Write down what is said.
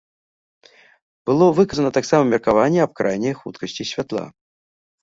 Было выказана таксама меркаванне аб крайняй хуткасці святла.